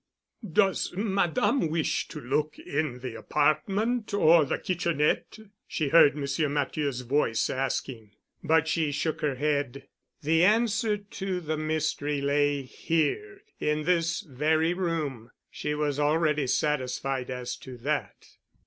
"Does Madame wish to look in the apartment or the kitchenette?" she heard Monsieur Matthieu's voice asking. But she shook her head. The answer to the mystery lay here—in this very room. She was already satisfied as to that.